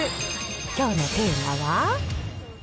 きょうのテーマは。